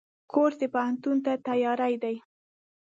کورس د پوهنتون ته تیاری دی.